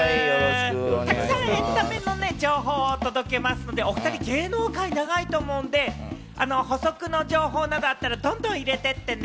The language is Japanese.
たくさんエンタメの情報を届けますので、お２人、芸能界長いと思うので補足の情報などあったら、どんどん入れてってね！